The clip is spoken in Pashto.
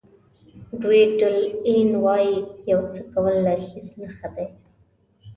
ډیویډ الین وایي یو څه کول له هیڅ نه ښه دي.